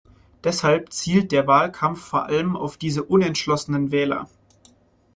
Deshalb zielt der Wahlkampf vor allem auf diese unentschlossenen Wähler.